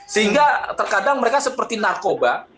sehingga terkadang mereka seperti narkoba